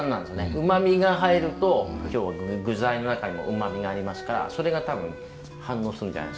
うまみが入ると今日具材の中にもうまみがありますからそれが多分反応するんじゃないですかね。